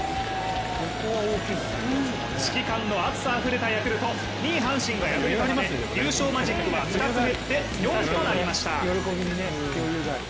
指揮官の熱さあふれたヤクルト２位・阪神が敗れたため優勝マジックは２つ減って４となりました。